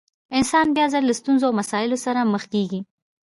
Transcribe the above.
انسان بيا ځلې له ستونزو او مسايلو سره مخ کېږي.